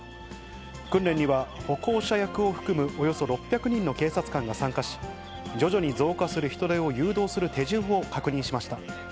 訓練には歩行者役を含むおよそ６００人の警察官が参加し、徐々に増加する人出を誘導する手順を確認しました。